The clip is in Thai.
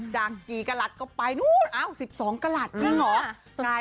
จากกี่กระหลัดก็ไปนู่น๑๒กระหลัดจริงเหรอ